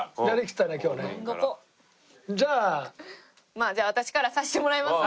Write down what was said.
まあじゃあ私からさせてもらいますね。